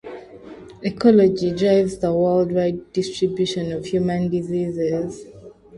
Ecology drives the worldwide distribution of human diseases.